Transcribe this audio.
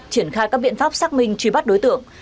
triển khai các biện pháp xác minh truy bắt đối tượng